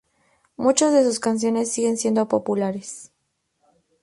Muchas de sus canciones siguen siendo populares.